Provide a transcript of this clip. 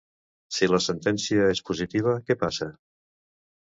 Si la sentència és positiva, què passa?